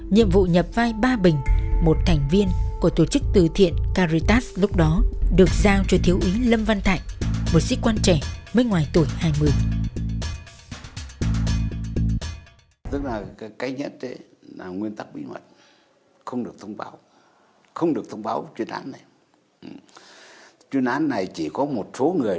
nhiệm vụ nhập vai ba bình một thành viên của tổ chức từ thiện caritas lúc đó được giao cho thiếu úy lâm văn thạnh một sĩ quan trẻ mới ngoài tuổi hai mươi